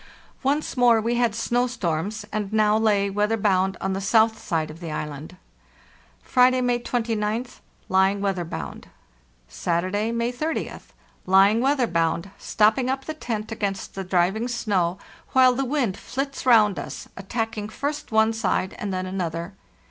Once more we had snow storms, and now lay weather bound on the south side of the island. "Friday, May 29th. Lying weather bound. "Saturday, May 30th. Lying weather bound, stop ping up the tent against the driving snow while the wind flits round us, attacking first one side and then another."